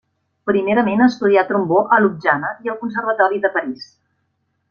Primerament estudià trombó a Ljubljana i al Conservatori de París.